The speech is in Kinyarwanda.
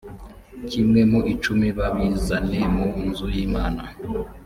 kimwe mu icumi babizane mu nzu y’imana